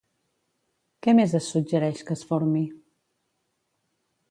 Què més es suggereix que es formi?